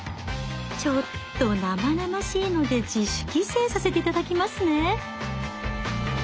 ちょっと生々しいので自主規制させて頂きますね。